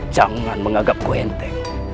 jangan mengagapku enteng